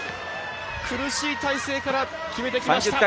苦しい体勢から決めてきました。